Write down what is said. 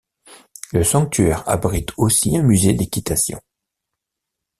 Le sanctuaire abrite aussi un musée d'équitation.